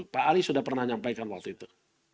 pak ali sudah pernah menyampaikan waktu itu